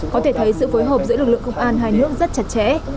có thể thấy sự phối hợp giữa lực lượng công an hai nước rất chặt chẽ